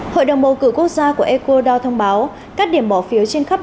hội đồng mầu cử quốc gia của ecuador thông báo các điểm bỏ phiếu trên các tài liệu